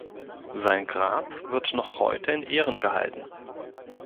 Sein Grab wird noch heute in Ehren gehalten.